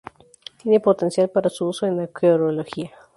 Tiene potencial para su uso en acuariología.